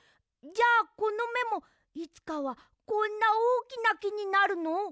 じゃあこのめもいつかはこんなおおきなきになるの？